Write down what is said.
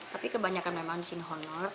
tapi kebanyakan memang di sini honor